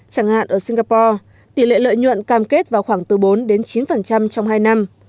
chẳng hạn ở singapore tỷ lệ lợi nhuận cam kết vào khoảng từ bốn đến chín trong hai năm